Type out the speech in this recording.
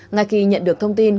ngay khi nhận được thông tin